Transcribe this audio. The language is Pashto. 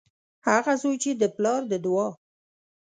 هغه زوی چې د پلار د دعا